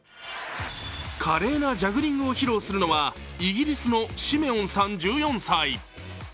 華麗なジャグリングを披露するのはイギリスのシメオンさん１４歳。